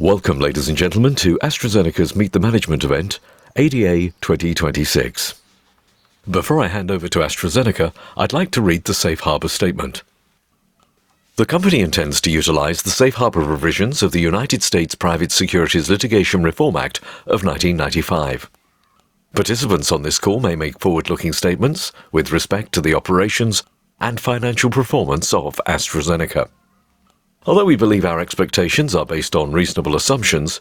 Welcome, ladies and gentlemen, to AstraZeneca's Meet the Management event, ADA 2026. Before I hand over to AstraZeneca, I'd like to read the safe harbor statement. The company intends to utilize the safe harbor provisions of the United States Private Securities Litigation Reform Act of 1995. Participants on this call may make forward-looking statements with respect to the operations and financial performance of AstraZeneca. Although we believe our expectations are based on reasonable assumptions,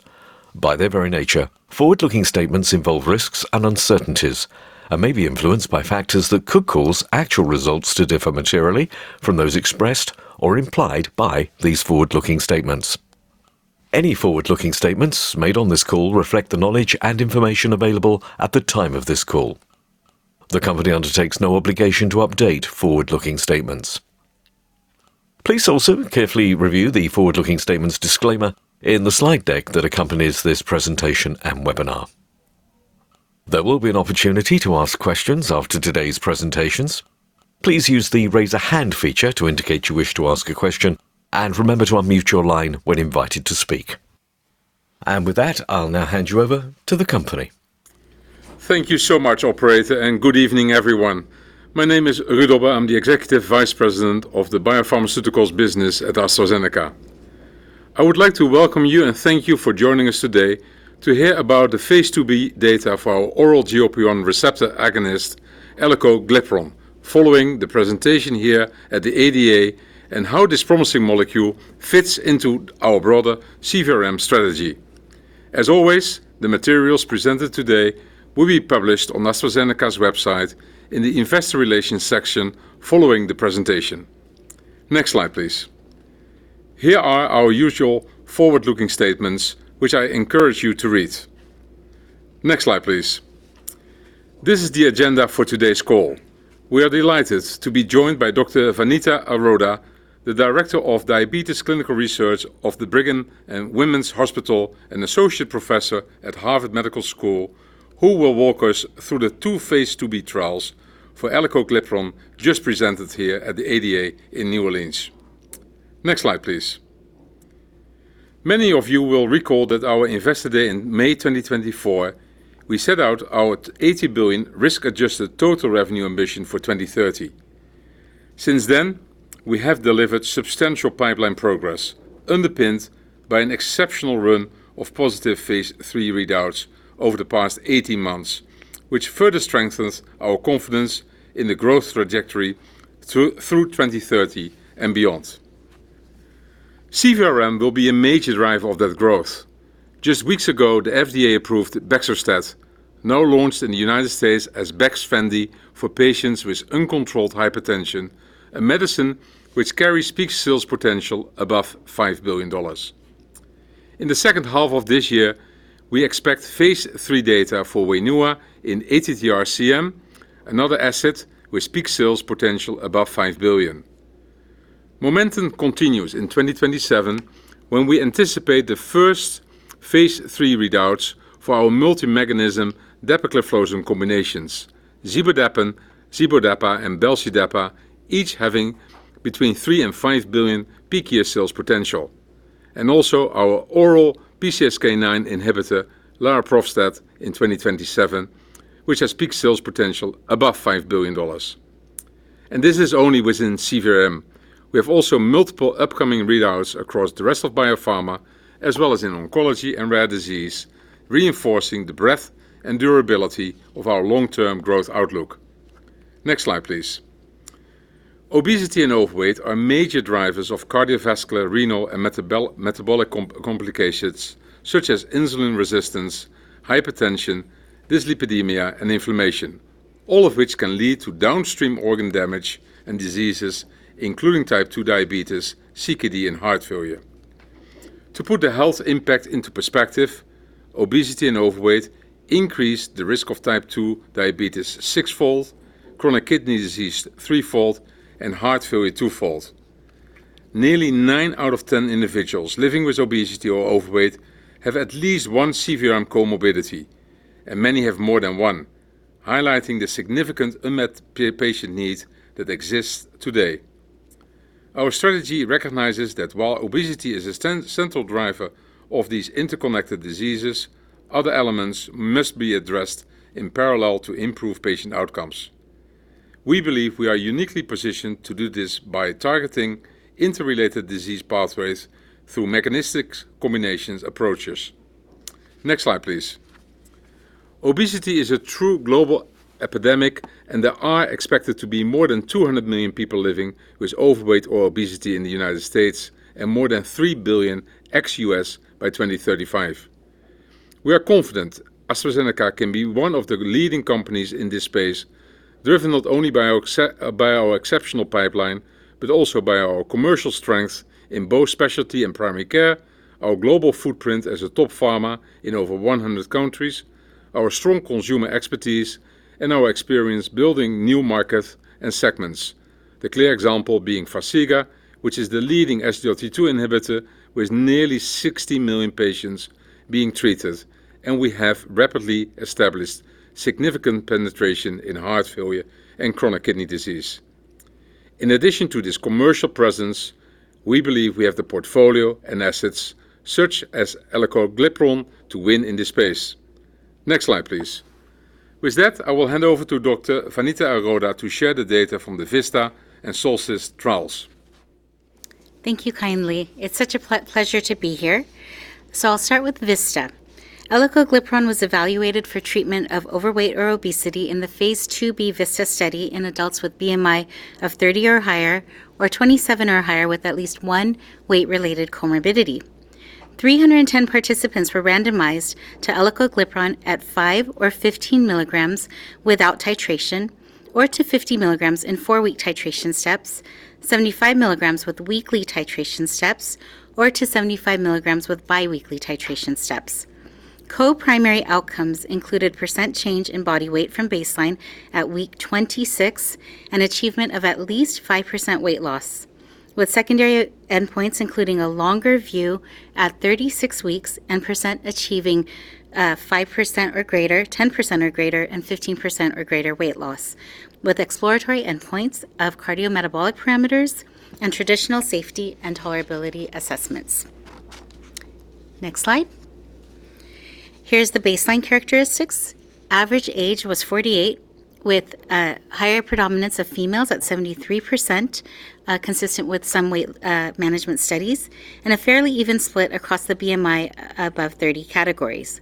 by their very nature, forward-looking statements involve risks and uncertainties and may be influenced by factors that could cause actual results to differ materially from those expressed or implied by these forward-looking statements. Any forward-looking statements made on this call reflect the knowledge and information available at the time of this call. The company undertakes no obligation to update forward-looking statements. Please also carefully review the forward-looking statements disclaimer in the slide deck that accompanies this presentation and webinar. There will be an opportunity to ask questions after today's presentations. Please use the raise a hand feature to indicate you wish to ask a question and remember to unmute your line when invited to speak. With that, I'll now hand you over to the company. Thank you so much, operator. Good evening, everyone. My name is Ruud Dobber. I'm the Executive Vice President of the BioPharmaceuticals business at AstraZeneca. I would like to welcome you and thank you for joining us today to hear about the phase IIb data for our oral GLP-1 receptor agonist, elecoglipron, following the presentation here at the ADA, and how this promising molecule fits into our broader CVRM strategy. As always, the materials presented today will be published on AstraZeneca's website in the investor relations section following the presentation. Next slide, please. Here are our usual forward-looking statements, which I encourage you to read. Next slide, please. This is the agenda for today's call. We are delighted to be joined by Dr. Vanita Aroda, the Director of Diabetes Clinical Research of the Brigham and Women's Hospital and Associate Professor at Harvard Medical School, who will walk us through the two phase IIb trials for elecoglipron just presented here at the ADA in New Orleans. Next slide, please. Many of you will recall that our Investor Day in May 2024, we set out our $80 billion risk-adjusted total revenue ambition for 2030. Since then, we have delivered substantial pipeline progress, underpinned by an exceptional run of positive phase III readouts over the past 18 months, which further strengthens our confidence in the growth trajectory through 2030 and beyond. CVRM will be a major driver of that growth. Just weeks ago, the FDA approved baxdrostat, now launched in the U.S. as BAXFENDY for patients with uncontrolled hypertension, a medicine which carries peak sales potential above $5 billion. In the second half of this year, we expect phase III data for WAINUA in ATTR-CM, another asset with peak sales potential above $5 billion. Momentum continues in 2027 when we anticipate the first phase III readouts for our multi-mechanism dapagliflozin combinations, zibotentan, zibodapa, and Belsudepa, each having between $3 billion and $5 billion peak year sales potential. Also our oral PCSK9 inhibitor, laroprovstat, in 2027, which has peak sales potential above $5 billion. This is only within CVRM. We have also multiple upcoming readouts across the rest of Biopharma, as well as in oncology and rare disease, reinforcing the breadth and durability of our long-term growth outlook. Next slide, please. Obesity and overweight are major drivers of cardiovascular, renal, and metabolic complications such as insulin resistance, hypertension, dyslipidemia, and inflammation, all of which can lead to downstream organ damage and diseases, including type 2 diabetes, CKD, and heart failure. To put the health impact into perspective, obesity and overweight increase the risk of type 2 diabetes sixfold, chronic kidney disease threefold, and heart failure twofold. Nearly nine out of 10 individuals living with obesity or overweight have at least one CVRM comorbidity, and many have more than one, highlighting the significant unmet patient need that exists today. Our strategy recognizes that while obesity is a central driver of these interconnected diseases, other elements must be addressed in parallel to improve patient outcomes. We believe we are uniquely positioned to do this by targeting interrelated disease pathways through mechanistic combinations approaches. Next slide, please. Obesity is a true global epidemic. There are expected to be more than 200 million people living with overweight or obesity in the U.S. and more than 3 billion ex-U.S. by 2035. We are confident AstraZeneca can be one of the leading companies in this space, driven not only by our exceptional pipeline, but also by our commercial strength in both specialty and primary care, our global footprint as a top pharma in over 100 countries, our strong consumer expertise, and our experience building new markets and segments. The clear example being FARXIGA, which is the leading SGLT2 inhibitor, with nearly 60 million patients being treated. We have rapidly established significant penetration in heart failure and chronic kidney disease. In addition to this commercial presence, we believe we have the portfolio and assets such as elecoglipron to win in this space. Next slide, please. With that, I will hand over to Dr. Vanita Aroda to share the data from the VISTA and SOLSTICE trials. Thank you kindly. It's such a pleasure to be here. I'll start with VISTA. Elecoglipron was evaluated for treatment of overweight or obesity in the phase IIb VISTA study in adults with BMI of 30 or higher, or 27 or higher with at least one weight-related comorbidity. 310 participants were randomized to elecoglipron at 5 or 15 mg without titration, or to 50 mg in 4-week titration steps, 75 mg with weekly titration steps, or to 75 mg with biweekly titration steps. Co-primary outcomes included % change in body weight from baseline at week 26 and achievement of at least 5% weight loss. With secondary endpoints including a longer view at 36 weeks and % achieving 5% or greater, 10% or greater, and 15% or greater weight loss, with exploratory endpoints of cardiometabolic parameters and traditional safety and tolerability assessments. Next slide. Here's the baseline characteristics. Average age was 48 with a higher predominance of females at 73%, consistent with some weight management studies, and a fairly even split across the BMI above 30 categories.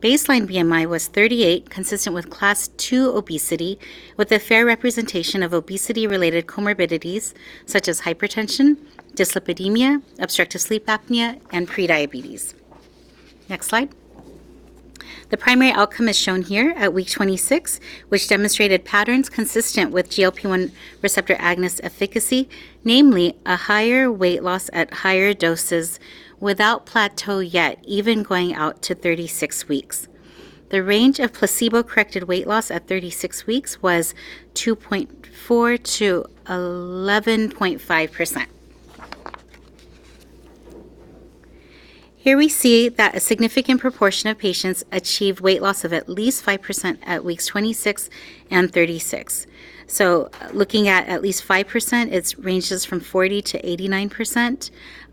Baseline BMI was 38, consistent with Class 2 obesity, with a fair representation of obesity-related comorbidities such as hypertension, dyslipidemia, obstructive sleep apnea, and pre-diabetes. Next slide. The primary outcome is shown here at week 26, which demonstrated patterns consistent with GLP-1 receptor agonist efficacy, namely a higher weight loss at higher doses without plateau yet, even going out to 36 weeks. The range of placebo-corrected weight loss at 36 weeks was 2.4%-11.5%. Here we see that a significant proportion of patients achieved weight loss of at least 5% at weeks 26 and 36. Looking at at least 5%, it ranges from 40%-89%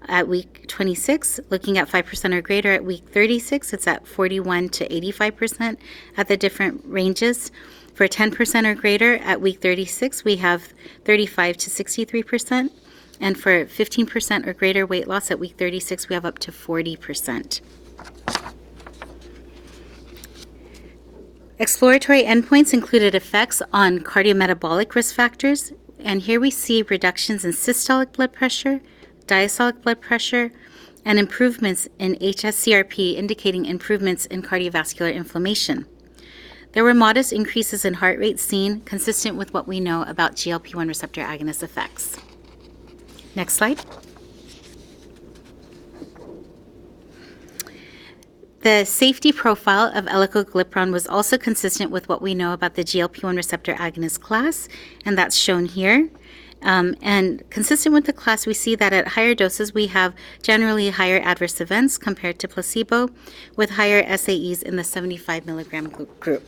at week 26. Looking at 5% or greater at week 36, it's at 41%-85% at the different ranges. For 10% or greater at week 36, we have 35%-63%, and for 15% or greater weight loss at week 36, we have up to 40%. Exploratory endpoints included effects on cardiometabolic risk factors. Here we see reductions in systolic blood pressure, diastolic blood pressure, and improvements in hs-CRP, indicating improvements in cardiovascular inflammation. There were modest increases in heart rate seen consistent with what we know about GLP-1 receptor agonist effects. Next slide. The safety profile of elecoglipron was also consistent with what we know about the GLP-1 receptor agonist class. That's shown here. Consistent with the class, we see that at higher doses, we have generally higher adverse events compared to placebo, with higher SAEs in the 75 mg group.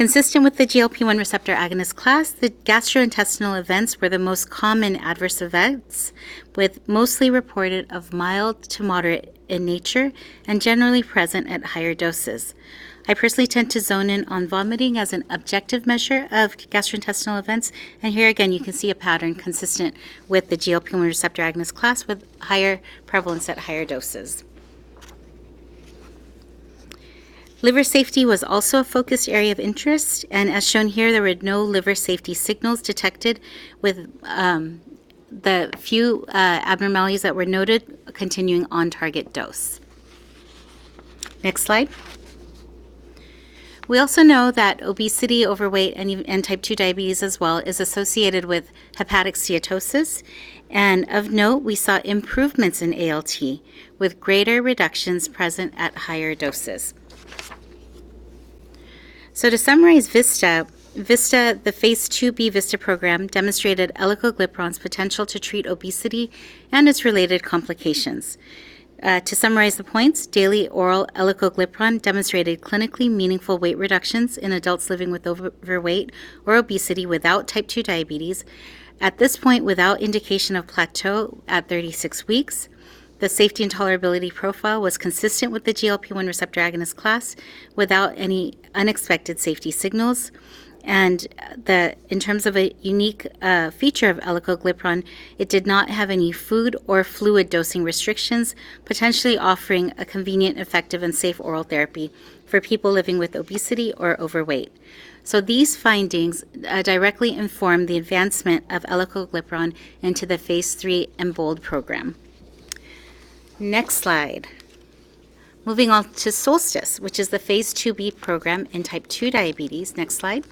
Consistent with the GLP-1 receptor agonist class, the gastrointestinal events were the most common adverse events, with mostly reported of mild to moderate in nature and generally present at higher doses. I personally tend to zone in on vomiting as an objective measure of gastrointestinal events. Here again, you can see a pattern consistent with the GLP-1 receptor agonist class, with higher prevalence at higher doses. Liver safety was also a focused area of interest. As shown here, there were no liver safety signals detected, with the few abnormalities that were noted continuing on target dose. Next slide. We also know that obesity, overweight, and type 2 diabetes as well is associated with hepatic steatosis. Of note, we saw improvements in ALT with greater reductions present at higher doses. To summarize VISTA, the Phase IIb VISTA program demonstrated elecoglipron's potential to treat obesity and its related complications. To summarize the points, daily oral elecoglipron demonstrated clinically meaningful weight reductions in adults living with overweight or obesity without type 2 diabetes. At this point, without indication of plateau at 36 weeks, the safety and tolerability profile was consistent with the GLP-1 receptor agonist class without any unexpected safety signals. In terms of a unique feature of elecoglipron, it did not have any food or fluid dosing restrictions, potentially offering a convenient, effective, and safe oral therapy for people living with obesity or overweight. These findings directly inform the advancement of elecoglipron into the Phase III EMBOLD program. Next slide. Moving on to SOLSTICE, which is the Phase IIb program in type 2 diabetes. Next slide.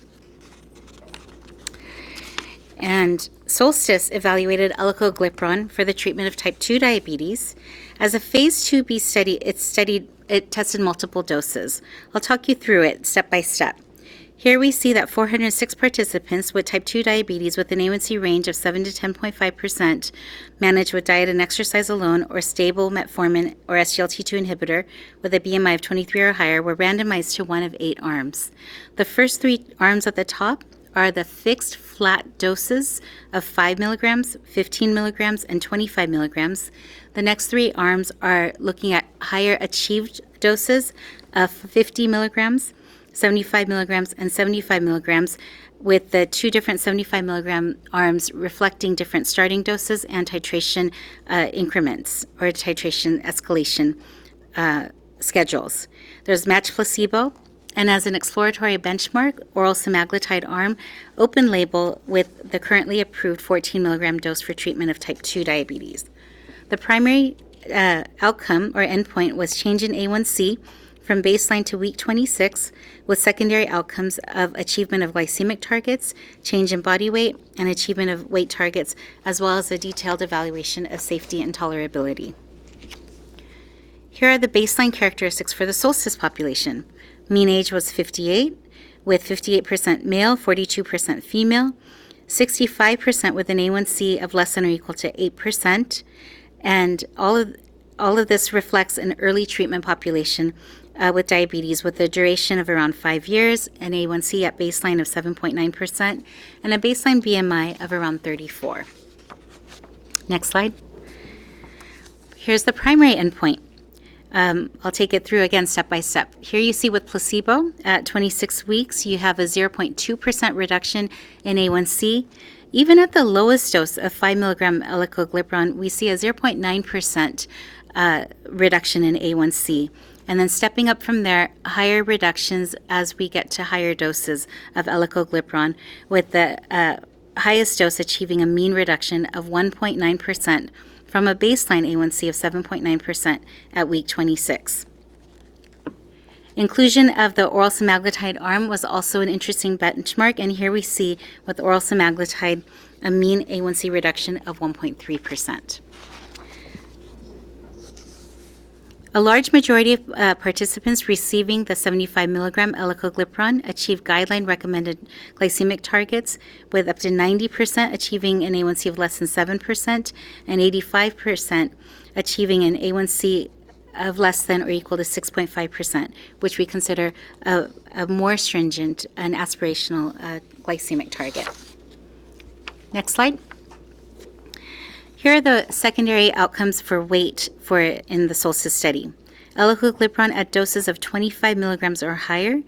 SOLSTICE evaluated elecoglipron for the treatment of type 2 diabetes. As a Phase IIb study, it tested multiple doses. I'll talk you through it step by step. Here we see that 406 participants with type 2 diabetes with an A1C range of 7% to 10.5% managed with diet and exercise alone or stable metformin or SGLT2 inhibitor with a BMI of 23 or higher were randomized to one of eight arms. The first three arms at the top are the fixed flat doses of 5 mg, 15 mg, and 25 mg. The next three arms are looking at higher achieved doses of 50 mg, 75 mg, and 75 mg with the two different 75 mg arms reflecting different starting doses and titration increments or titration escalation schedules. There's matched placebo and as an exploratory benchmark, oral semaglutide arm open label with the currently approved 14 mg dose for treatment of type 2 diabetes. The primary outcome or endpoint was change in A1C from baseline to week 26, with secondary outcomes of achievement of glycemic targets, change in body weight, and achievement of weight targets, as well as a detailed evaluation of safety and tolerability. Here are the baseline characteristics for the SOLSTICE population. Mean age was 58, with 58% male, 42% female, 65% with an A1C of less than or equal to 8%, and all of this reflects an early treatment population with diabetes with a duration of around five years, an A1C at baseline of 7.9%, and a baseline BMI of around 34. Next slide. Here's the primary endpoint. I'll take it through again step by step. Here you see with placebo at 26 weeks, you have a 0.2% reduction in A1C. Even at the lowest dose of 5 mg elecoglipron, we see a 0.9% reduction in A1C. Then stepping up from there, higher reductions as we get to higher doses of elecoglipron with the highest dose achieving a mean reduction of 1.9% from a baseline A1C of 7.9% at week 26. Inclusion of the oral semaglutide arm was also an interesting benchmark, and here we see with oral semaglutide a mean A1C reduction of 1.3%. A large majority of participants receiving the 75 mg elecoglipron achieved guideline-recommended glycemic targets with up to 90% achieving an A1C of less than 7% and 85% achieving an A1C of less than or equal to 6.5%, which we consider a more stringent and aspirational glycemic target. Next slide. Here are the secondary outcomes for weight in the SOLSTICE study. Elecoglipron at doses of 25 mg or higher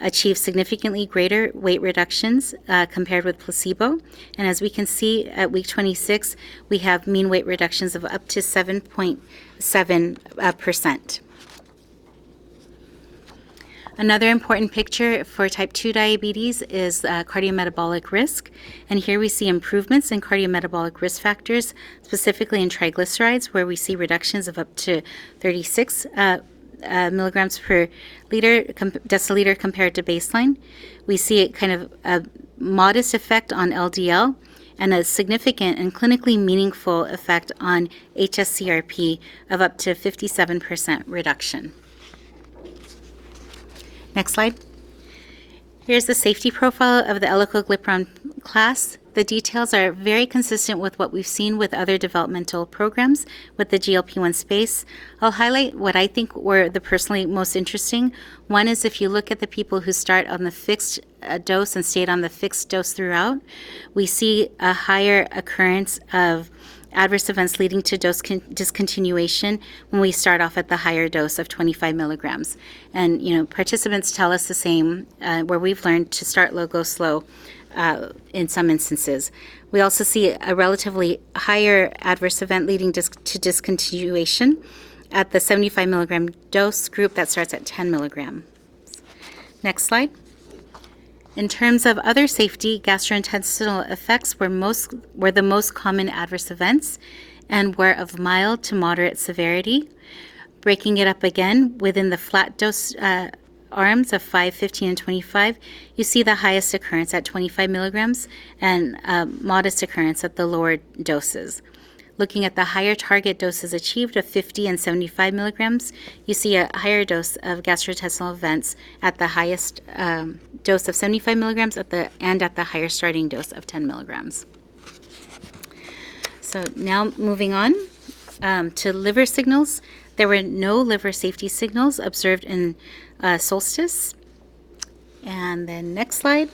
achieved significantly greater weight reductions compared with placebo. As we can see at week 26, we have mean weight reductions of up to 7.7%. Another important picture for type 2 diabetes is cardiometabolic risk, here we see improvements in cardiometabolic risk factors, specifically in triglycerides, where we see reductions of up to 36 mg per deciliter compared to baseline. We see a modest effect on LDL and a significant and clinically meaningful effect on hs-CRP of up to 57% reduction. Next slide. Here's the safety profile of the elecoglipron class. The details are very consistent with what we've seen with other developmental programs with the GLP-1 space. I'll highlight what I think were the personally most interesting. One is if you look at the people who start on the fixed dose and stayed on the fixed dose throughout, we see a higher occurrence of adverse events leading to dose discontinuation when we start off at the higher dose of 25 mg. Participants tell us the same, where we've learned to start low, go slow in some instances. We also see a relatively higher adverse event leading to discontinuation at the 75 mg dose group that starts at 10 mg. Next slide. In terms of other safety, gastrointestinal effects were the most common adverse events and were of mild to moderate severity. Breaking it up again within the flat dose arms of 5, 15, and 25, you see the highest occurrence at 25 mg and modest occurrence at the lower doses. Looking at the higher target doses achieved of 50 and 75 mg, you see a higher dose of gastrointestinal events at the highest dose of 75 mg and at the higher starting dose of 10 mg. Now moving on to liver signals. There were no liver safety signals observed in SOLSTICE. Next slide.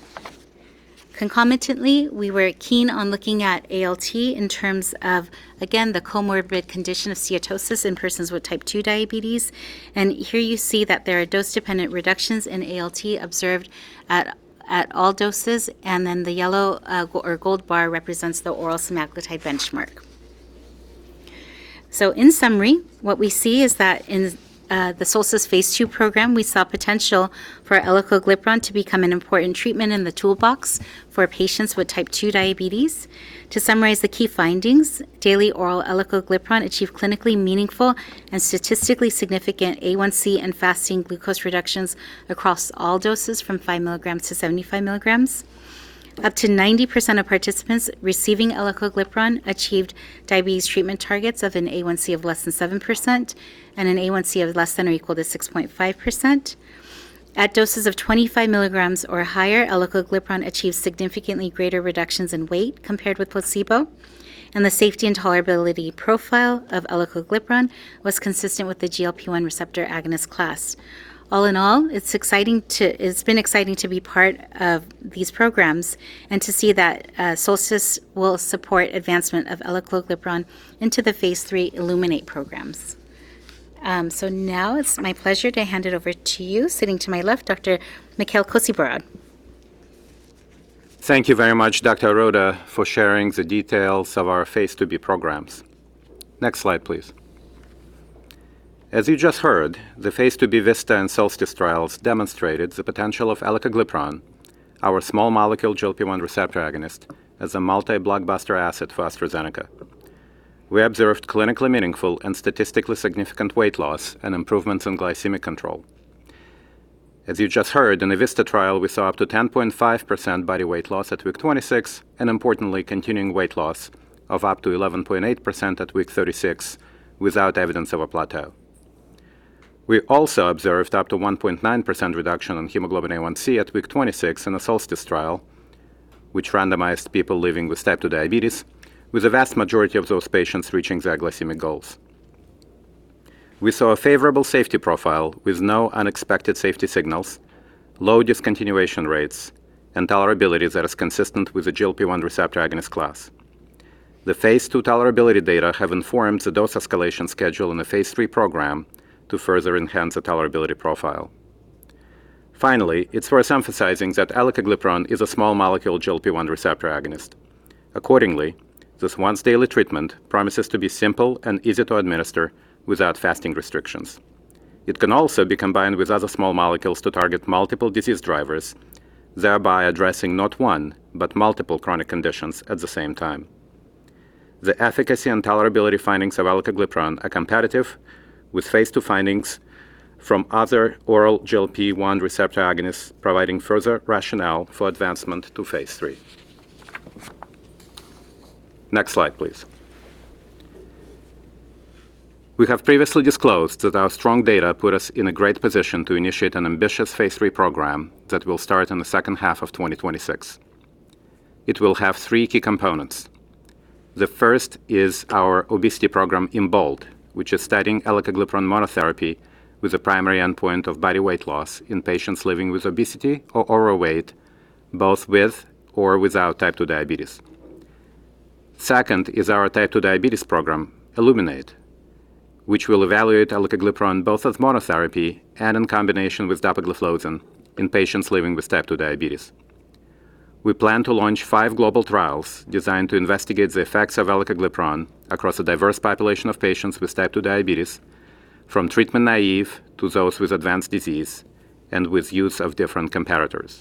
Concomitantly, we were keen on looking at ALT in terms of, again, the comorbid condition of steatosis in persons with type 2 diabetes. Here you see that there are dose-dependent reductions in ALT observed at all doses, and the yellow or gold bar represents the oral semaglutide benchmark. In summary, what we see is that in the SOLSTICE phase II program, we saw potential for elecoglipron to become an important treatment in the toolbox for patients with type 2 diabetes. To summarize the key findings, daily oral elecoglipron achieved clinically meaningful and statistically significant A1c and fasting glucose reductions across all doses from five mg to 75 mg. Up to 90% of participants receiving elecoglipron achieved diabetes treatment targets of an A1c of less than 7% and an A1c of less than or equal to 6.5%. At doses of 25 mg or higher, elecoglipron achieved significantly greater reductions in weight compared with placebo, and the safety and tolerability profile of elecoglipron was consistent with the GLP-1 receptor agonist class. All in all, it's been exciting to be part of these programs and to see that SOLSTICE will support advancement of elecoglipron into the phase III ELUMINATE programs. It's my pleasure to hand it over to you, sitting to my left, Dr. Mikhail Kosiborod. Thank you very much, Dr. Aroda, for sharing the details of our phase IIb programs. Next slide, please. As you just heard, the phase IIb VISTA and SOLSTICE trials demonstrated the potential of elecoglipron, our small molecule GLP-1 receptor agonist, as a multi-blockbuster asset for AstraZeneca. We observed clinically meaningful and statistically significant weight loss and improvements in glycemic control. As you just heard, in the VISTA trial, we saw up to 10.5% body weight loss at week 26, and importantly, continuing weight loss of up to 11.8% at week 36, without evidence of a plateau. We also observed up to 1.9% reduction in hemoglobin A1c at week 26 in the SOLSTICE trial, which randomized people living with type 2 diabetes, with the vast majority of those patients reaching their glycemic goals. We saw a favorable safety profile with no unexpected safety signals, low discontinuation rates, and tolerability that is consistent with the GLP-1 receptor agonist class. The phase II tolerability data have informed the dose escalation schedule in the phase III program to further enhance the tolerability profile. Finally, it's worth emphasizing that elecoglipron is a small molecule GLP-1 receptor agonist. Accordingly, this once-daily treatment promises to be simple and easy to administer without fasting restrictions. It can also be combined with other small molecules to target multiple disease drivers, thereby addressing not one, but multiple chronic conditions at the same time. The efficacy and tolerability findings of elecoglipron are competitive with phase II findings from other oral GLP-1 receptor agonists, providing further rationale for advancement to phase III. Next slide, please. We have previously disclosed that our strong data put us in a great position to initiate an ambitious phase III program that will start in the second half of 2026. It will have three key components. The first is our obesity program, EMBOLD, which is studying elecoglipron monotherapy with a primary endpoint of body weight loss in patients living with obesity or overweight, both with or without type 2 diabetes. Second is our type 2 diabetes program, ELUMINATE, which will evaluate elecoglipron both as monotherapy and in combination with dapagliflozin in patients living with type 2 diabetes. We plan to launch five global trials designed to investigate the effects of elecoglipron across a diverse population of patients with type 2 diabetes, from treatment naive to those with advanced disease, and with use of different comparators.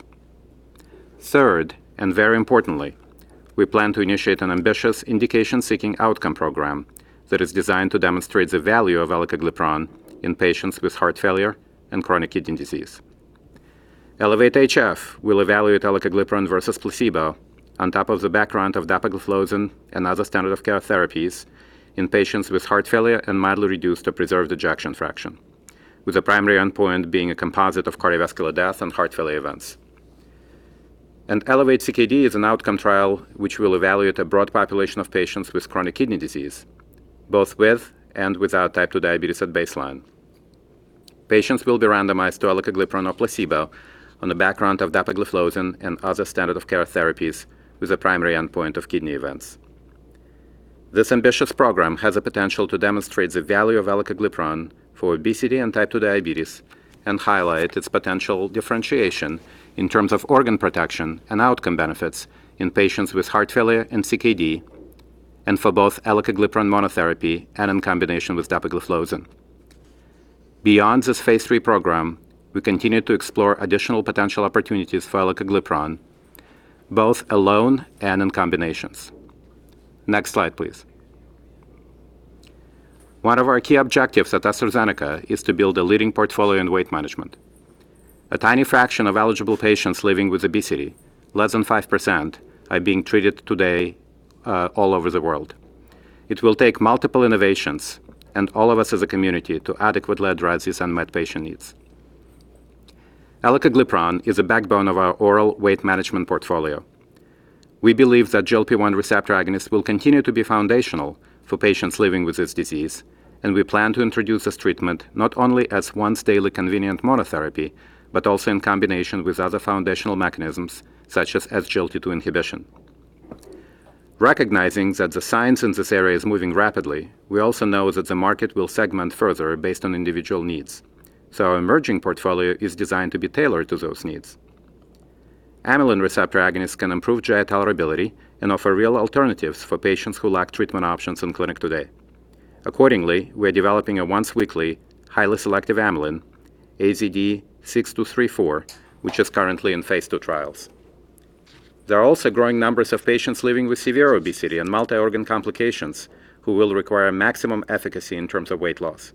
Third, very importantly, we plan to initiate an ambitious indication-seeking outcome program that is designed to demonstrate the value of elecoglipron in patients with heart failure and chronic kidney disease. ELEVATE-HFpEF will evaluate elecoglipron versus placebo on top of the background of dapagliflozin and other standard of care therapies in patients with heart failure and mildly reduced to preserved ejection fraction, with the primary endpoint being a composite of cardiovascular death and heart failure events. ELEVATE-CKD is an outcome trial which will evaluate a broad population of patients with chronic kidney disease, both with and without type 2 diabetes at baseline. Patients will be randomized to elecoglipron or placebo on the background of dapagliflozin and other standard of care therapies with a primary endpoint of kidney events. This ambitious program has the potential to demonstrate the value of elecoglipron for obesity and type 2 diabetes and highlight its potential differentiation in terms of organ protection and outcome benefits in patients with heart failure and CKD, and for both elecoglipron monotherapy and in combination with dapagliflozin. Beyond this phase III program, we continue to explore additional potential opportunities for elecoglipron, both alone and in combinations. Next slide, please. One of our key objectives at AstraZeneca is to build a leading portfolio in weight management. A tiny fraction of eligible patients living with obesity, less than 5%, are being treated today all over the world. It will take multiple innovations and all of us as a community to adequately address these unmet patient needs. Elecoglipron is the backbone of our oral weight management portfolio. We believe that GLP-1 receptor agonists will continue to be foundational for patients living with this disease, and we plan to introduce this treatment not only as once-daily convenient monotherapy, but also in combination with other foundational mechanisms such as SGLT2 inhibition. Recognizing that the science in this area is moving rapidly, we also know that the market will segment further based on individual needs. Our emerging portfolio is designed to be tailored to those needs. Amylin receptor agonists can improve GI tolerability and offer real alternatives for patients who lack treatment options in clinic today. Accordingly, we are developing a once-weekly highly selective amylin, AZD6234, which is currently in phase II trials. There are also growing numbers of patients living with severe obesity and multi-organ complications who will require maximum efficacy in terms of weight loss.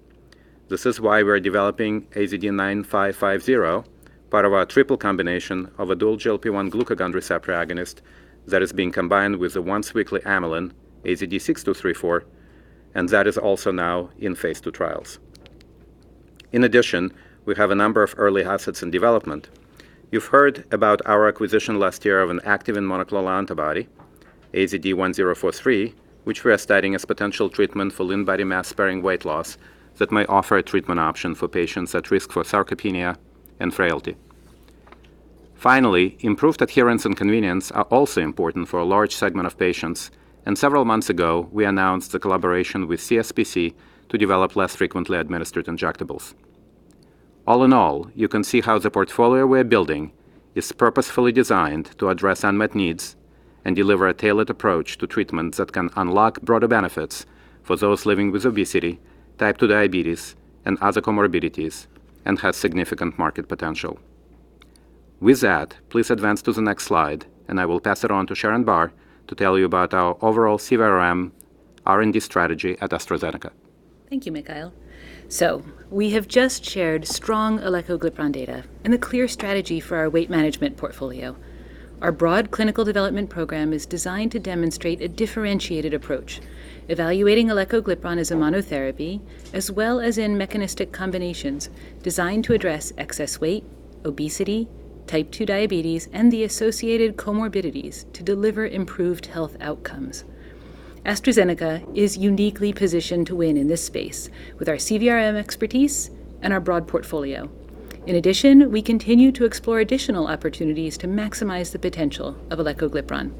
This is why we are developing AZD9550, part of our triple combination of a dual GLP-1/glucagon receptor agonist that is being combined with a once-weekly amylin, AZD6234, and that is also now in phase II trials. In addition, we have a number of early assets in development. You've heard about our acquisition last year of an activin monoclonal antibody, AZD1043, which we are studying as potential treatment for lean body mass-sparing weight loss that may offer a treatment option for patients at risk for sarcopenia and frailty. Improved adherence and convenience are also important for a large segment of patients. Several months ago, we announced a collaboration with CSPC to develop less frequently administered injectables. You can see how the portfolio we're building is purposefully designed to address unmet needs and deliver a tailored approach to treatments that can unlock broader benefits for those living with obesity, type 2 diabetes, and other comorbidities, has significant market potential. With that, please advance to the next slide. I will pass it on to Sharon Barr to tell you about our overall CVRM R&D strategy at AstraZeneca. Thank you, Mikhail. We have just shared strong Elecoglipron data and a clear strategy for our weight management portfolio. Our broad clinical development program is designed to demonstrate a differentiated approach, evaluating Elecoglipron as a monotherapy as well as in mechanistic combinations designed to address excess weight, obesity, type 2 diabetes, and the associated comorbidities to deliver improved health outcomes. AstraZeneca is uniquely positioned to win in this space with our CVRM expertise and our broad portfolio. We continue to explore additional opportunities to maximize the potential of Elecoglipron.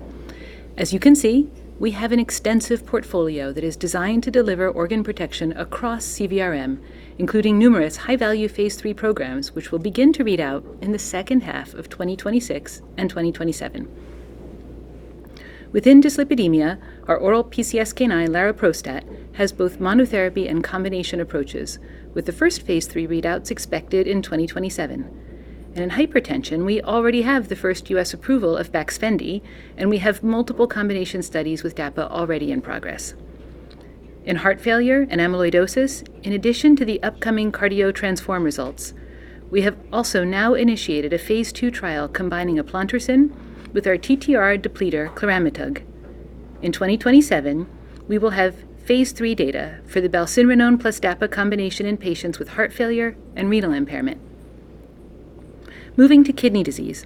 We have an extensive portfolio that is designed to deliver organ protection across CVRM, including numerous high-value phase III programs, which will begin to read out in the second half of 2026 and 2027. Within dyslipidemia, our oral PCSK9 laroprovstat has both monotherapy and combination approaches, with the first phase III readouts expected in 2027. In hypertension, we already have the first U.S. approval of BAXFENDY. We have multiple combination studies with DAPA already in progress. In heart failure and amyloidosis, in addition to the upcoming CARDIO-TTRansform results, we have also now initiated a phase II trial combining eplontersen with our TTR depleter, cliramitug. In 2027, we will have phase III data for the valsartan plus DAPA combination in patients with heart failure and renal impairment. Moving to kidney disease,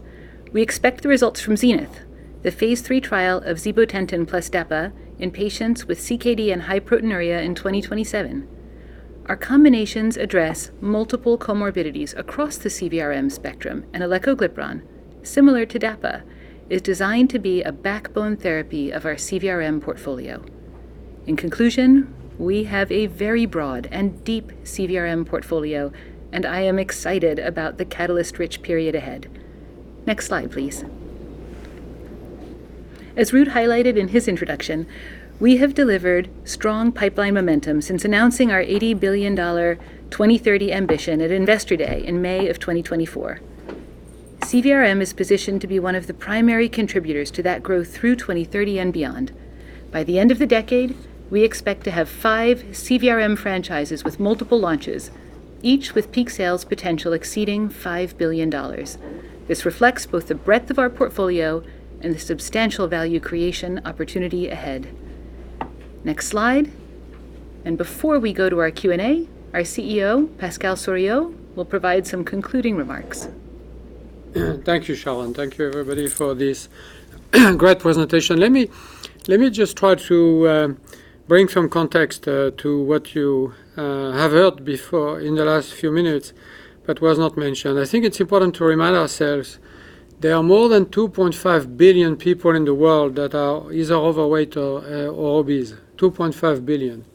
we expect the results from ZENITH, the phase III trial of zibotentan plus DAPA in patients with CKD and high proteinuria in 2027. Our combinations address multiple comorbidities across the CVRM spectrum. Elecoglipron, similar to DAPA, is designed to be a backbone therapy of our CVRM portfolio. We have a very broad and deep CVRM portfolio. I am excited about the catalyst-rich period ahead. Next slide, please. As Ruud highlighted in his introduction, we have delivered strong pipeline momentum since announcing our $80 billion 2030 ambition at Investor Day in May of 2024. CVRM is positioned to be one of the primary contributors to that growth through 2030 and beyond. By the end of the decade, we expect to have five CVRM franchises with multiple launches, each with peak sales potential exceeding $5 billion. This reflects both the breadth of our portfolio and the substantial value creation opportunity ahead. Next slide. Before we go to our Q&A, our CEO, Pascal Soriot, will provide some concluding remarks. Thank you, Sharon. Thank you, everybody, for this great presentation. Let me just try to bring some context to what you have heard before in the last few minutes, but was not mentioned. I think it's important to remind ourselves there are more than 2.5 billion people in the world that are either overweight or obese, 2.5 billion.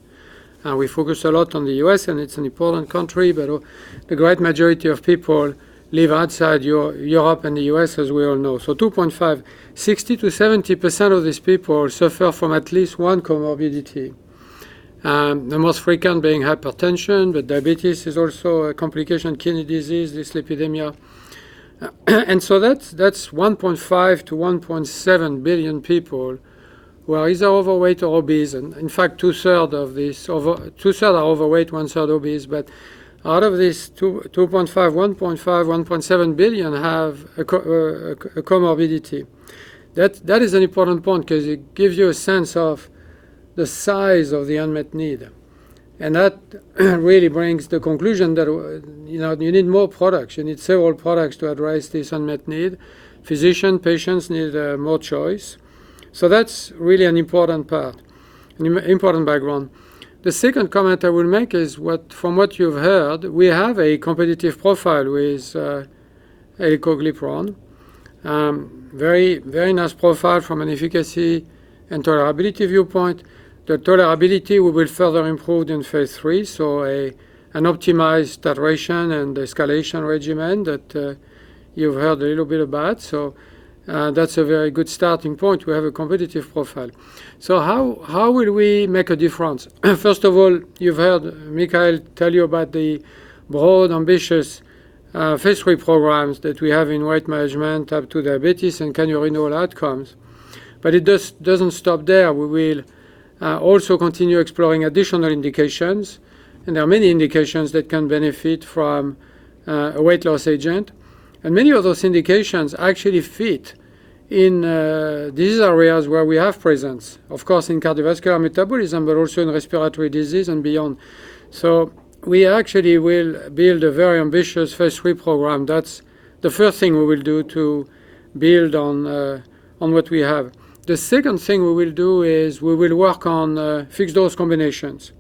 We focus a lot on the U.S., and it's an important country, but the great majority of people live outside Europe and the U.S., as we all know. 2.5, 60%-70% of these people suffer from at least one comorbidity, the most frequent being hypertension, but diabetes is also a complication, kidney disease, dyslipidemia. That's 1.5 billion-1.7 billion people who are either overweight or obese. In fact, two-third are overweight, one-third obese. Out of this 2.5, 1.5 billion-1.7 billion have a comorbidity. That is an important point because it gives you a sense of the size of the unmet need. That really brings the conclusion that you need more products. You need several products to address this unmet need. Physicians, patients need more choice. That's really an important part, an important background. The second comment I will make is, from what you've heard, we have a competitive profile with elecoglipron. Very nice profile from an efficacy and tolerability viewpoint. The tolerability we will further improve in phase III, so an optimized duration and escalation regimen that you've heard a little bit about. That's a very good starting point. We have a competitive profile. How will we make a difference? First of all, you've heard Mikhail tell you about the broad, ambitious phase III programs that we have in weight management, type 2 diabetes, and renal outcomes. It doesn't stop there. We will also continue exploring additional indications, there are many indications that can benefit from a weight loss agent. Many of those indications actually fit in these areas where we have presence. Of course, in cardiovascular metabolism, but also in respiratory disease and beyond. We actually will build a very ambitious phase III program. That's the first thing we will do to build on what we have. The second thing we will do is we will work on fixed-dose combinations.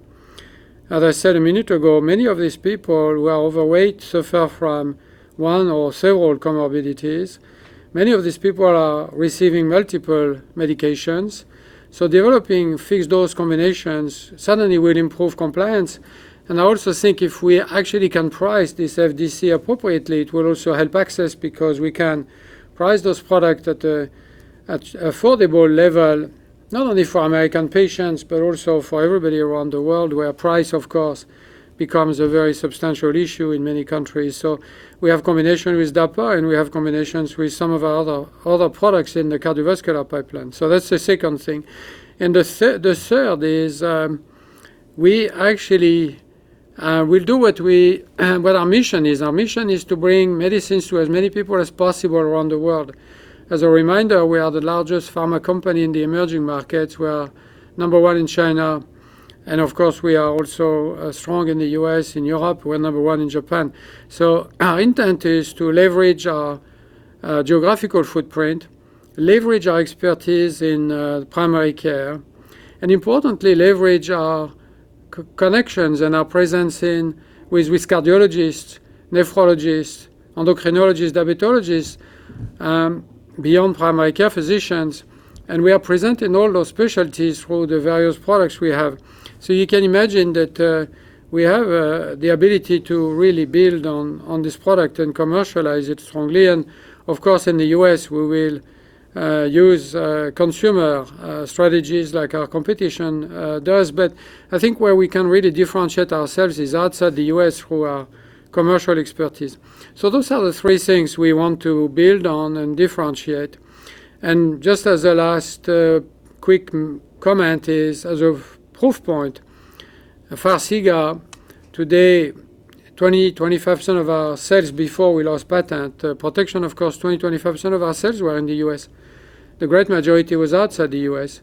As I said a minute ago, many of these people who are overweight suffer from one or several comorbidities. Many of these people are receiving multiple medications. Developing fixed-dose combinations suddenly will improve compliance, and I also think if we actually can price this FDC appropriately, it will also help access, because we can price those product at affordable level, not only for American patients, but also for everybody around the world, where price, of course, becomes a very substantial issue in many countries. We have combination with DAPA, and we have combinations with some of our other products in the cardiovascular pipeline. That's the second thing. The third is we actually will do what our mission is. Our mission is to bring medicines to as many people as possible around the world. As a reminder, we are the largest pharma company in the emerging markets. We are number one in China, and of course, we are also strong in the U.S., in Europe. We're number one in Japan. Our intent is to leverage our geographical footprint, leverage our expertise in primary care, importantly, leverage our connections and our presence with cardiologists, nephrologists, endocrinologists, diabetologists, beyond primary care physicians. We are present in all those specialties through the various products we have. You can imagine that we have the ability to really build on this product and commercialize it strongly. Of course, in the U.S., we will use consumer strategies like our competition does. I think where we can really differentiate ourselves is outside the U.S. through our commercial expertise. Those are the three things we want to build on and differentiate. Just as a last quick comment is, as a proof point, FARXIGA today, 20%-25% of our sales before we lost patent protection, of course, 20%-25% of our sales were in the U.S. The great majority was outside the U.S.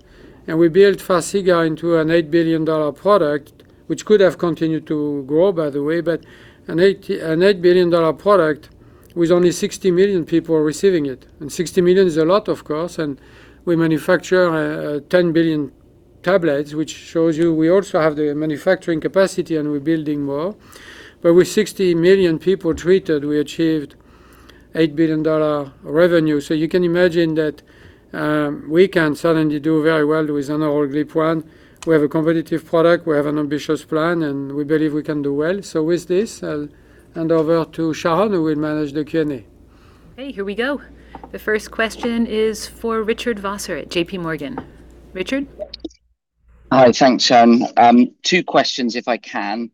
We built FARXIGA into an $8 billion product, which could have continued to grow, by the way, but an $8 billion product with only 60 million people receiving it. 60 million is a lot, of course. We manufacture 10 billion tablets, which shows you we also have the manufacturing capacity, and we're building more. With 60 million people treated, we achieved $8 billion revenue. You can imagine that we can certainly do very well with an oral GLP-1. We have a competitive product, we have an ambitious plan, and we believe we can do well. With this, I'll hand over to Sharon, who will manage the Q&A. Okay, here we go. The first question is for Richard Vosser at JPMorgan. Richard? Hi, thanks. Two questions, if I can.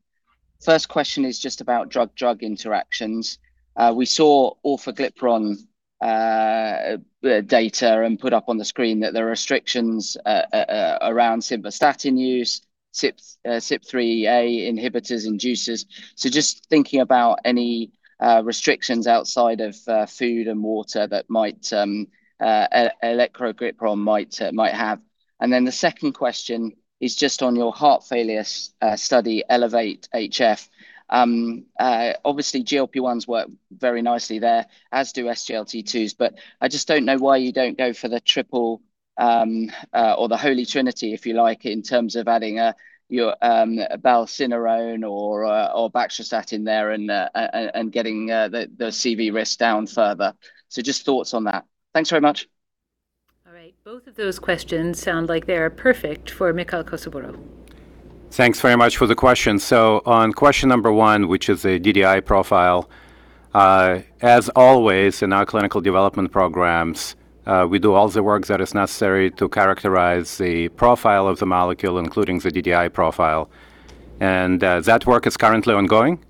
First question is just about drug-drug interactions. We saw orforglipron data and put up on the screen that there are restrictions around simvastatin use, CYP3A inhibitors, inducers. Just thinking about any restrictions outside of food and water that elecoglipron might have. Then the second question is just on your heart failure study, ELEVATE HF. Obviously, GLP-1s work very nicely there, as do SGLT2s. I just don't know why you don't go for the triple or the Holy Trinity, if you like, in terms of adding your balcinrenone or baxdrostat in there and getting the CV risk down further. Just thoughts on that. Thanks very much. All right. Both of those questions sound like they are perfect for Mikhail Kosiborod. Thanks very much for the question. On question one, which is a DDI profile, as always, in our clinical development programs, we do all the work that is necessary to characterize the profile of the molecule, including the DDI profile. That work is currently ongoing.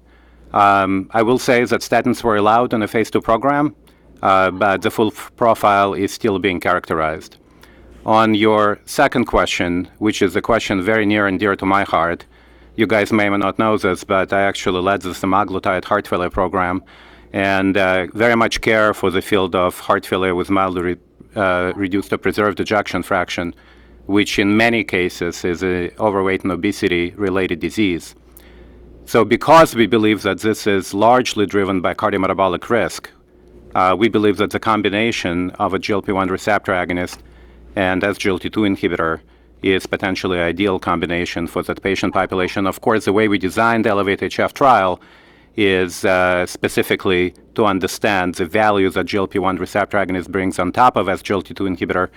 I will say that statins were allowed on a phase II program, but the full profile is still being characterized. On your second question, which is a question very near and dear to my heart. You guys may not know this, but I actually led the semaglutide heart failure program and very much care for the field of heart failure with mildly reduced or preserved ejection fraction, which in many cases is a overweight and obesity-related disease. Because we believe that this is largely driven by cardiometabolic risk, we believe that the combination of a GLP-1 receptor agonist and an SGLT2 inhibitor is potentially ideal combination for that patient population. Of course, the way we designed the ELEVATE-HFpEF trial is specifically to understand the value that GLP-1 receptor agonist brings on top of SGLT2 inhibitor.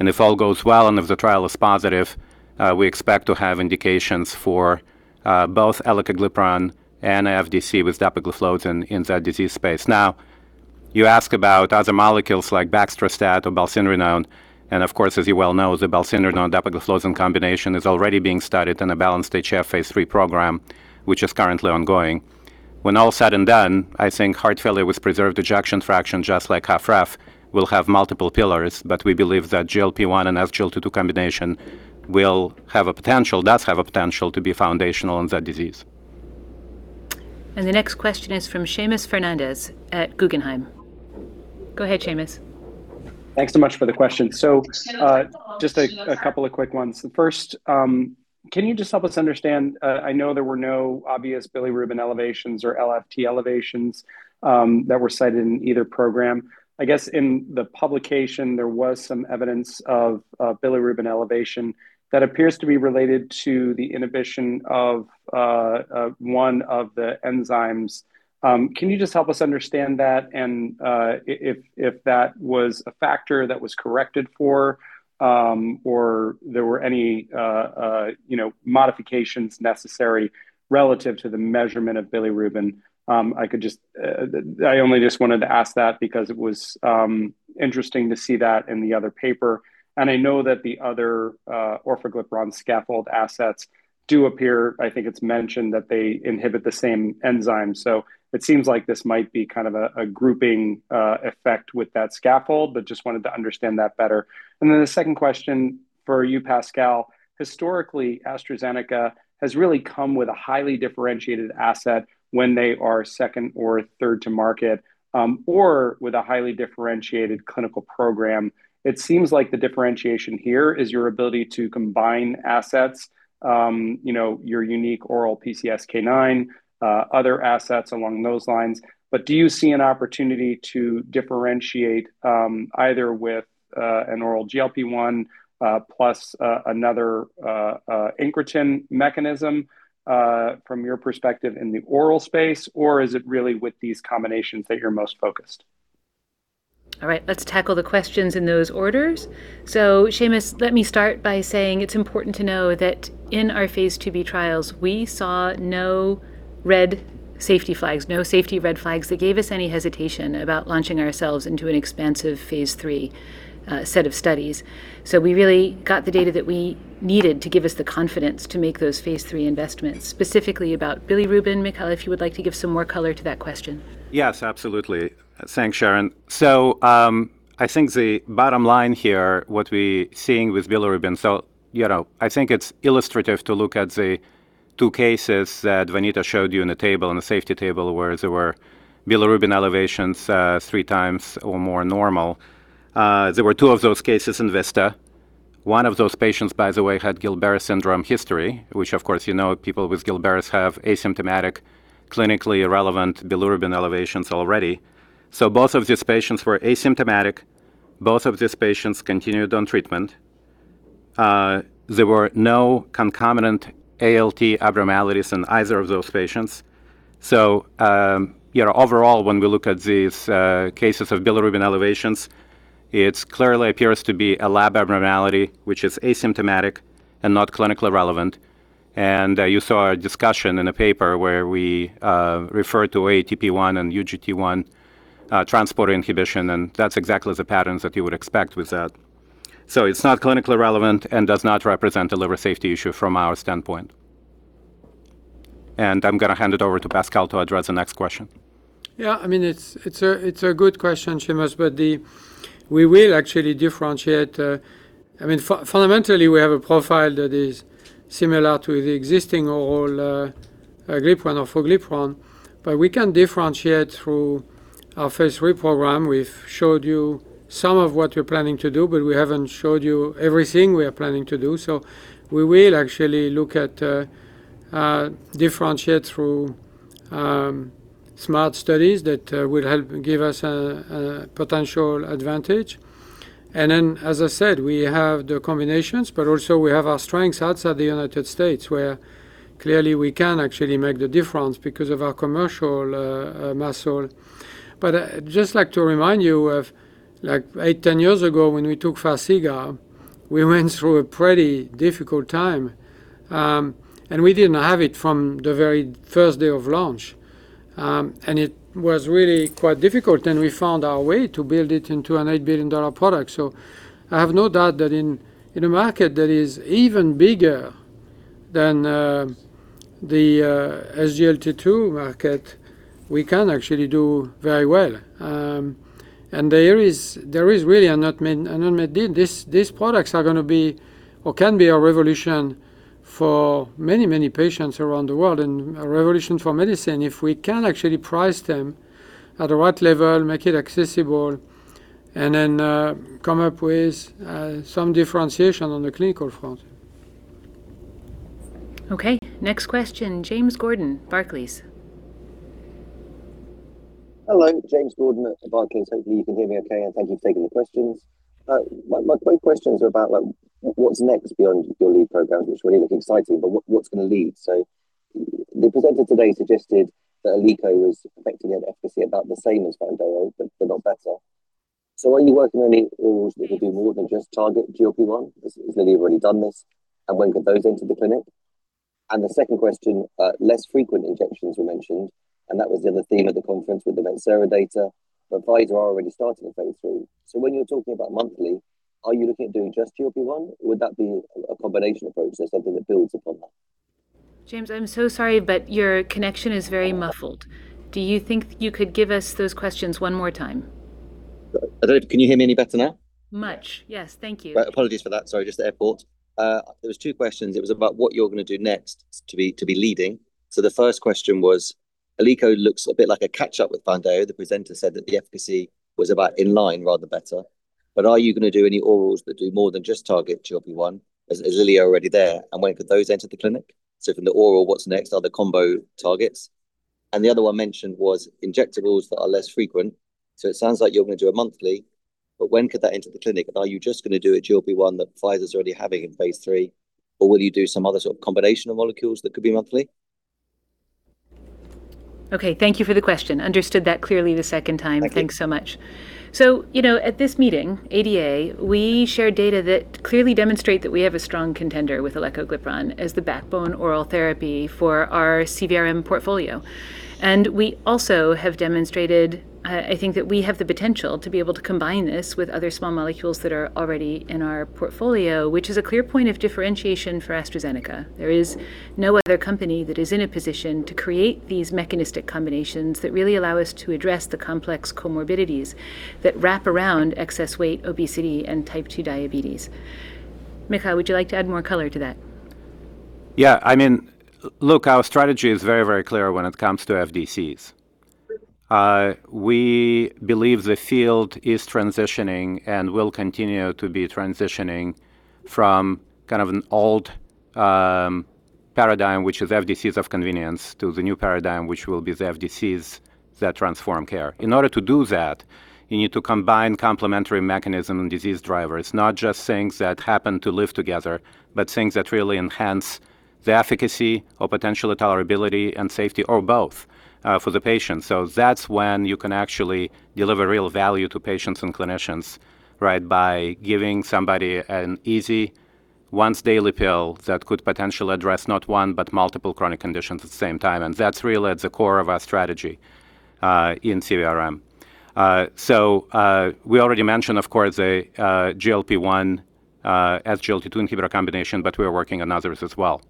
If all goes well and if the trial is positive, we expect to have indications for both elecoglipron and FDC with dapagliflozin in that disease space. You ask about other molecules like baxdrostat or balcinrenone, and of course, as you well know, the balcinrenone-dapagliflozin combination is already being studied in a BALANCED-HF phase III program, which is currently ongoing. When all is said and done, I think heart failure with preserved ejection fraction, just like HFrEF, will have multiple pillars. We believe that GLP-1 and SGLT2 combination does have a potential to be foundational in that disease. The next question is from Seamus Fernandez at Guggenheim. Go ahead, Seamus. Thanks so much for the question. Just a couple of quick ones. First, can you just help us understand, I know there were no obvious bilirubin elevations or LFT elevations that were cited in either program. I guess in the publication, there was some evidence of bilirubin elevation that appears to be related to the inhibition of one of the enzymes. Can you just help us understand that and if that was a factor that was corrected for or there were any modifications necessary relative to the measurement of bilirubin? I only just wanted to ask that because it was interesting to see that in the other paper. I know that the other orforglipron scaffold assets do appear, I think it's mentioned that they inhibit the same enzyme. It seems like this might be a grouping effect with that scaffold, but just wanted to understand that better. The second question for you, Pascal. Historically, AstraZeneca has really come with a highly differentiated asset when they are second or third to market, or with a highly differentiated clinical program. It seems like the differentiation here is your ability to combine assets, your unique oral PCSK9, other assets along those lines. Do you see an opportunity to differentiate, either with an oral GLP-1, plus another incretin mechanism, from your perspective in the oral space, or is it really with these combinations that you're most focused? All right. Let's tackle the questions in those orders. Seamus, let me start by saying it's important to know that in our phase II-B trials, we saw no safety red flags that gave us any hesitation about launching ourselves into an expansive phase III set of studies. We really got the data that we needed to give us the confidence to make those phase III investments, specifically about bilirubin. Mikhail, if you would like to give some more color to that question. Yes, absolutely. Thanks, Sharon. I think the bottom line here, what we're seeing with bilirubin, I think it's illustrative to look at the two cases that Vanita showed you in the safety table, where there were bilirubin elevations, three times or more normal. There were two of those cases in VISTA. One of those patients, by the way, had Gilbert syndrome history, which, of course, you know people with Gilberts have asymptomatic, clinically irrelevant bilirubin elevations already. Both of these patients were asymptomatic. Both of these patients continued on treatment. There were no concomitant ALT abnormalities in either of those patients. Overall, when we look at these cases of bilirubin elevations, it clearly appears to be a lab abnormality, which is asymptomatic and not clinically relevant. You saw a discussion in a paper where we refer to OATP1B1 and UGT1 transporter inhibition, and that's exactly the patterns that you would expect with that. It's not clinically relevant and does not represent a liver safety issue from our standpoint. I'm going to hand it over to Pascal to address the next question. It's a good question, Seamus. Fundamentally, we have a profile that is similar to the existing oral GLP-1s, but we can differentiate through our phase III program. We've showed you some of what we're planning to do, but we haven't showed you everything we are planning to do. We will actually look at differentiate through smart studies that will help give us a potential advantage. Then, as I said, we have the combinations, but also we have our strengths outside the United States, where clearly we can actually make the difference because of our commercial muscle. I'd just like to remind you of eight, 10 years ago, when we took FARXIGA, we went through a pretty difficult time. We didn't have it from the very first day of launch. It was really quite difficult, and we found our way to build it into an $8 billion product. I have no doubt that in a market that is even bigger than the SGLT2 market, we can actually do very well. There is really an unmet need. These products are going to be or can be a revolution for many, many patients around the world and a revolution for medicine if we can actually price them at the right level, make it accessible, then come up with some differentiation on the clinical front. Okay. Next question, James Gordon, Barclays. Hello, James Gordon at Barclays. Hopefully, you can hear me okay, and thank you for taking the questions. My quick questions are about what's next beyond your lead program, which really looks exciting, what's going to lead? The presenter today suggested that elecoglipron was effectively at efficacy about the same as Vanquo, but not better. Are you working on any orals that will do more than just target GLP-1, as Lilly have already done this? When could those enter the clinic? The second question, less frequent injections were mentioned, and that was the other theme of the conference with the Mounjaro data. Pfizer are already starting a phase III. When you're talking about monthly, are you looking at doing just GLP-1, or would that be a combination approach that's something that builds upon that? James, I'm so sorry, your connection is very muffled. Do you think you could give us those questions one more time? I don't know. Can you hear me any better now? Much. Yes. Thank you. Right. Apologies for that. Sorry, just the airport. There was two questions. It was about what you're going to do next to be leading. The first question was, elecoglipron looks a bit like a catch-up with Vanquo. The presenter said that the efficacy was about in line, rather better. Are you going to do any orals that do more than just target GLP-1, as Lilly are already there? When could those enter the clinic? From the oral, what's next? Are there combo targets? The other one mentioned was injectables that are less frequent. It sounds like you're going to do a monthly, but when could that enter the clinic? Are you just going to do a GLP-1 that Pfizer's already having in Phase III, or will you do some other sort of combination of molecules that could be monthly? Okay. Thank you for the question. Understood that clearly the second time. Thank you. Thanks so much. At this meeting, ADA, we shared data that clearly demonstrate that we have a strong contender with elecoglipron as the backbone oral therapy for our CVRM portfolio. We also have demonstrated, I think, that we have the potential to be able to combine this with other small molecules that are already in our portfolio, which is a clear point of differentiation for AstraZeneca. There is no other company that is in a position to create these mechanistic combinations that really allow us to address the complex comorbidities that wrap around excess weight, obesity, and type 2 diabetes. Mikhail, would you like to add more color to that? Yeah. Look, our strategy is very clear when it comes to FDCs. We believe the field is transitioning and will continue to be transitioning from kind of an old paradigm, which is FDCs of convenience, to the new paradigm, which will be the FDCs that transform care. In order to do that, you need to combine complementary mechanism and disease drivers. Not just things that happen to live together, but things that really enhance the efficacy or potential tolerability and safety, or both, for the patient. That's when you can actually deliver real value to patients and clinicians, by giving somebody an easy once-daily pill that could potentially address not one, but multiple chronic conditions at the same time. That's really at the core of our strategy in CVRM. We already mentioned, of course, a GLP-1 SGLT2 inhibitor combination, but we are working on others as well.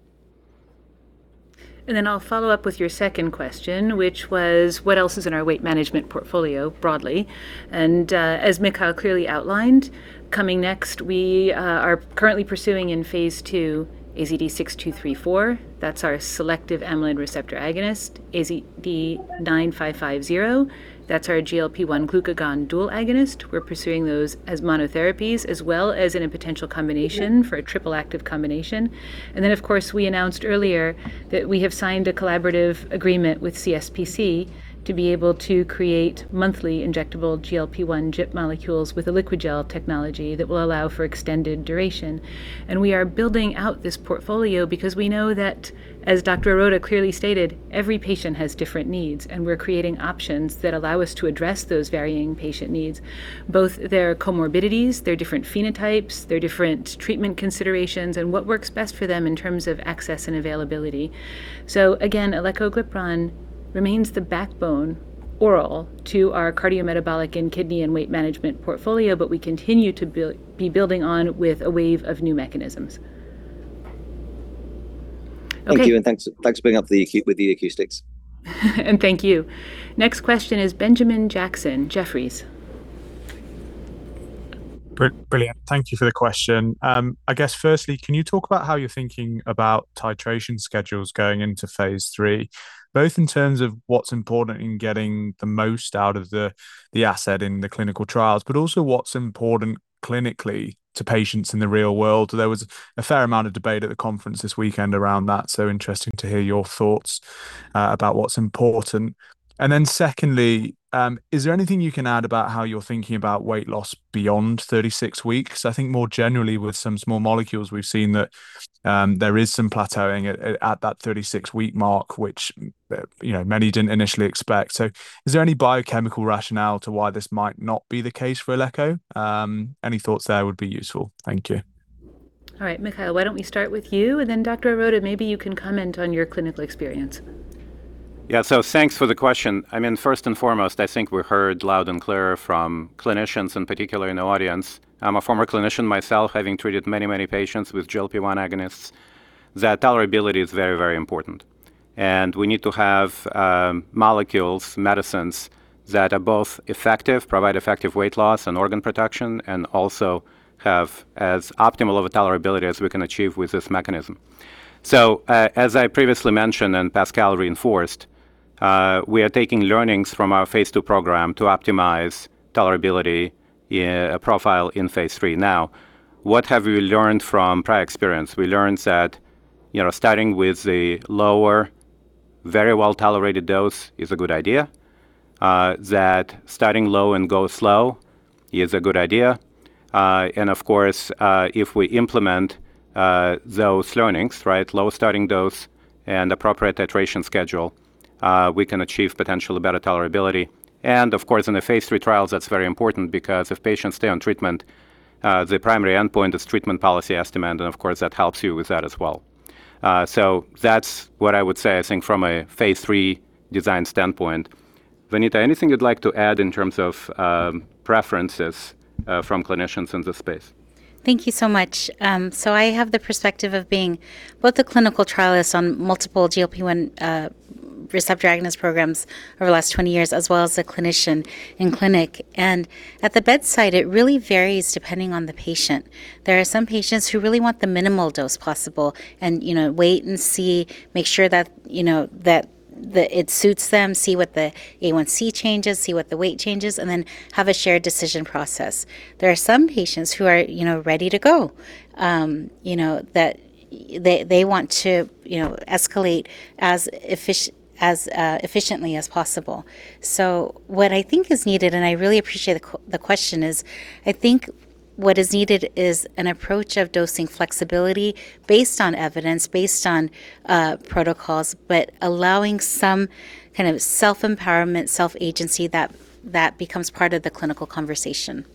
I'll follow up with your second question, which was, what else is in our weight management portfolio, broadly? As Mikhail clearly outlined, coming next, we are currently pursuing in phase II AZD6234. That's our selective amylin receptor agonist. AZD9550, that's our GLP-1 glucagon dual agonist. We're pursuing those as monotherapies as well as in a potential combination for a triple active combination. Of course, we announced earlier that we have signed a collaborative agreement with CSPC to be able to create monthly injectable GLP-1 GIP molecules with a liquid gel technology that will allow for extended duration. We are building out this portfolio because we know that, as Dr. Aroda clearly stated, every patient has different needs, and we're creating options that allow us to address those varying patient needs, both their comorbidities, their different phenotypes, their different treatment considerations, and what works best for them in terms of access and availability. Again, elecoglipron remains the backbone oral to our cardiometabolic and kidney and weight management portfolio, but we continue to be building on with a wave of new mechanisms. Thank you. Thanks for bringing up with the acoustics. Thank you. Next question is Benjamin Jackson, Jefferies. Brilliant. Thank you for the question. I guess firstly, can you talk about how you're thinking about titration schedules going into phase III, both in terms of what's important in getting the most out of the asset in the clinical trials, but also what's important clinically to patients in the real world? There was a fair amount of debate at the conference this weekend around that, interesting to hear your thoughts about what's important. Then secondly, is there anything you can add about how you're thinking about weight loss beyond 36 weeks? I think more generally with some small molecules, we've seen that there is some plateauing at that 36-week mark, which many didn't initially expect. Is there any biochemical rationale to why this might not be the case for Eleco? Any thoughts there would be useful. Thank you. All right, Mikhail, why don't we start with you, and then Dr. Aroda, maybe you can comment on your clinical experience. Thanks for the question. First and foremost, I think we heard loud and clear from clinicians in particular in the audience. I'm a former clinician myself, having treated many patients with GLP-1 agonists, that tolerability is very important. We need to have molecules, medicines, that are both effective, provide effective weight loss and organ protection, and also have as optimal of a tolerability as we can achieve with this mechanism. As I previously mentioned, and Pascal reinforced, we are taking learnings from our phase II program to optimize tolerability profile in phase III. What have we learned from prior experience? We learned that starting with a lower, very well-tolerated dose is a good idea. That starting low and go slow is a good idea. Of course, if we implement those learnings, low starting dose and appropriate titration schedule, we can achieve potential better tolerability. Of course, in the phase III trials, that's very important because if patients stay on treatment, the primary endpoint is treatment policy estimate, and of course, that helps you with that as well. That's what I would say, I think from a phase III design standpoint. Vanita, anything you'd like to add in terms of preferences from clinicians in this space? Thank you so much. I have the perspective of being both a clinical trialist on multiple GLP-1 receptor agonist programs over the last 20 years, as well as a clinician in clinic. At the bedside, it really varies depending on the patient. There are some patients who really want the minimal dose possible and wait and see, make sure that it suits them, see what the A1c changes, see what the weight changes, and then have a shared decision process. There are some patients who are ready to go. They want to escalate as efficiently as possible. What I think is needed, and I really appreciate the question, is I think what is needed is an approach of dosing flexibility based on evidence, based on protocols, but allowing some kind of self-empowerment, self-agency that becomes part of the clinical conversation.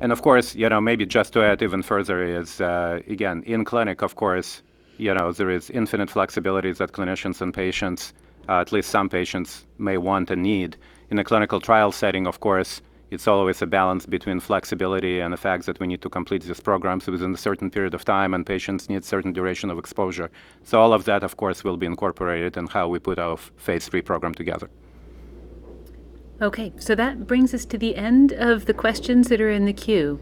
Of course, maybe just to add even further is, again, in clinic, of course, there is infinite flexibilities that clinicians and patients, at least some patients, may want and need. In a clinical trial setting, of course, it's always a balance between flexibility and the fact that we need to complete these programs within a certain period of time, and patients need a certain duration of exposure. All of that, of course, will be incorporated in how we put our phase III program together. Okay. That brings us to the end of the questions that are in the queue.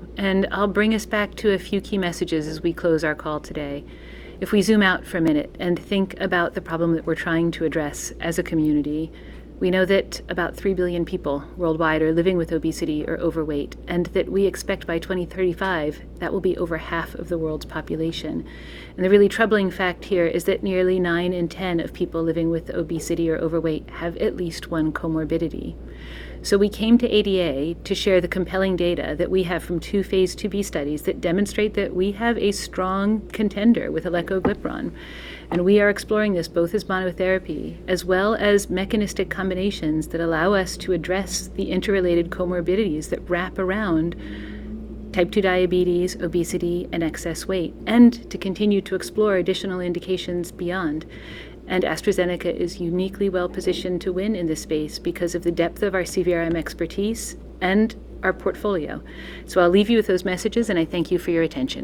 I'll bring us back to a few key messages as we close our call today. If we zoom out for a minute and think about the problem that we're trying to address as a community, we know that about 3 billion people worldwide are living with obesity or overweight, and that we expect by 2035, that will be over half of the world's population. The really troubling fact here is that nearly 9 in 10 of people living with obesity or overweight have at least one comorbidity. We came to ADA to share the compelling data that we have from two phase IIb studies that demonstrate that we have a strong contender with elecoglipron. We are exploring this both as monotherapy as well as mechanistic combinations that allow us to address the interrelated comorbidities that wrap around type 2 diabetes, obesity, and excess weight, and to continue to explore additional indications beyond. AstraZeneca is uniquely well-positioned to win in this space because of the depth of our CVRM expertise and our portfolio. I'll leave you with those messages, and I thank you for your attention.